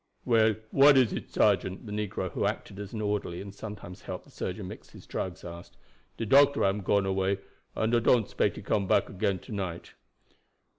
"Well, what is it, sergeant?" the negro, who acted as an orderly and sometimes helped the surgeon mix his drugs, asked. "De doctor am gone away, and I don't 'spect he come back again to night."